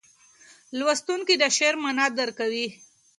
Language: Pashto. لوستونکی د شعر معنا درک کوي.